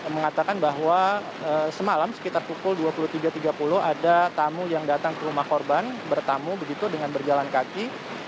mengatakan bahwa semalam sekitar pukul dua puluh tiga tiga puluh ada tamu yang datang ke rumah korban bertamu begitu dengan berjalan kaki